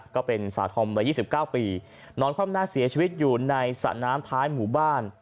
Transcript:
ก็เป็นสาวธอมวัย๒๙ปีนอนคว่ำหน้าเสียชีวิตอยู่ในสระน้ำท้ายหมู่บ้าน